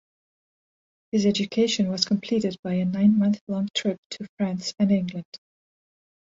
His education was completed by a nine-month-long trip to France and England.